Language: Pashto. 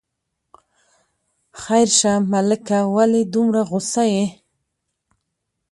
خیر شه ملکه، ولې دومره غوسه یې.